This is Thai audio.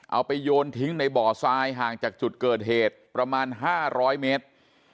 เอาไปโยนทิ้งในบ่อทรายห่างจากจุดเกิดเหตุประมาณ๕๐๐เมตร